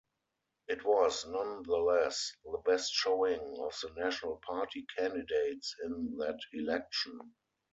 It was nonetheless the best showing of the National Party candidates in that election.